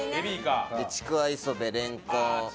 ちくわ磯辺れんこん。